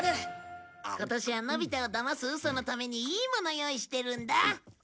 今年はのび太をだますウソのためにいいもの用意してるんだ！